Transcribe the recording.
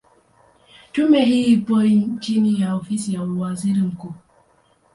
Tume hii ipo chini ya Ofisi ya Waziri Mkuu.